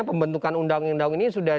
pembentukan undang undang ini sudah